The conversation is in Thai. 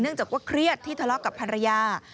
จากว่าเครียดที่ทะเลาะกับภรรยา